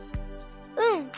うん。